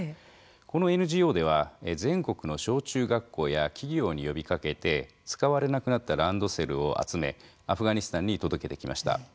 このＮＧＯでは全国の小中学校や企業に呼びかけて使われなくなったランドセルを集めアフガニスタンに届けてきました。